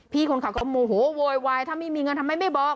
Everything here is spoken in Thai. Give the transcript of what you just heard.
พี่คนขับก็โมโหโวยวายถ้าไม่มีเงินทำไมไม่บอก